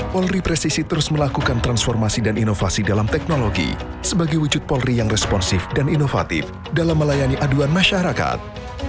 polri presisi terus melakukan transformasi dan inovasi dalam teknologi sebagai wujud polri yang responsif dan inovatif dalam melayani aduan masyarakat